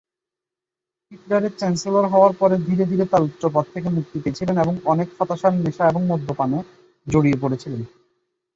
হিটলারের চ্যান্সেলর হওয়ার পরে ধীরে ধীরে তাঁর উচ্চ পদ থেকে মুক্তি পেয়েছিলেন এবং অনেক হতাশার নেশা এবং মদ্যপায় পড়েছিলেন।